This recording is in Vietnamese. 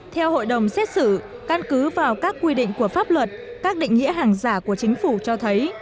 theo hội đồng xét xử căn cứ vào các quy định của pháp luật các định nghĩa hàng giả của chính phủ cho thấy